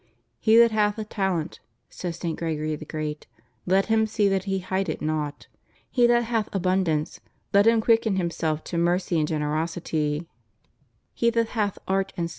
''He that hath a talent," says St. Gregorj'^ the Great, "let him see that he hide it not; he that hath abundance, let him quicken himself to mercy and generosity; he that hath » 2a 2se Q.